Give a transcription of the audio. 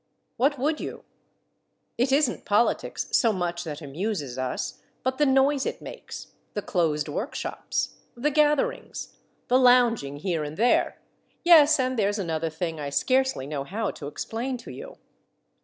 What would you ? It is n't politics so much that amuses us, but the noise it makes, the closed workshops, the gatherings, the lounging here and there ; yes, and there 's another thing I scarcely know how to explain to you.